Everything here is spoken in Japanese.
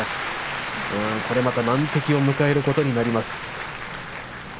これまた難敵を迎えることになります。